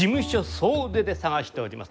総出で探しております。